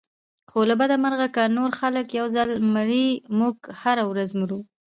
خو له بده مرغه که نور خلک یو ځل مري موږ هره ورځ مرو.